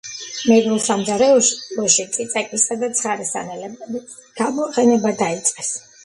მეგრულ სამზარეულოში წიწაკის და ცხარე სანენებლების გამოყენება დაიწყეს.